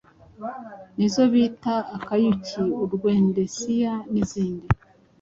nizo bita, Akayuki, Urwedensiya n’izindi.